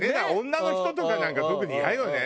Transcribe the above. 女の人とかなんか特にイヤよね